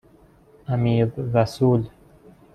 امیررسول